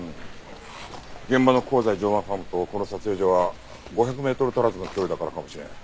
現場の香西乗馬ファームとこの撮影所は５００メートル足らずの距離だからかもしれん。